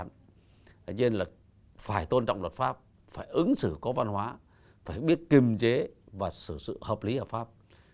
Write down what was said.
tuy nhiên là phải tôn trọng luật pháp phải ứng xử có văn hóa phải biết kiềm chế và xử sự hợp lý hợp pháp